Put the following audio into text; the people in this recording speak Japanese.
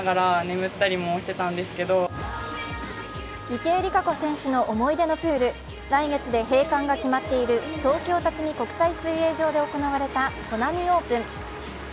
池江璃花子選手の思い出のプール来月で閉館が決まっている東京辰巳国際水泳場で行われたコナミオープン。